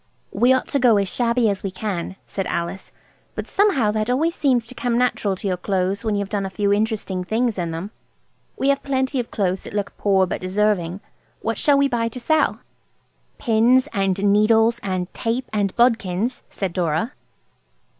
"We ought to go as shabby as we can," said Alice; "but somehow that always seems to come natural to your clothes when you've done a few interesting things in them. We have plenty of clothes that look poor but deserving. What shall we buy to sell?" "Pins and needles, and tape and bodkins," said Dora.